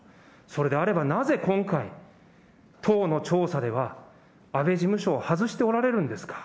それであれば、なぜ今回、党の調査では安倍事務所を外しておられるんですか。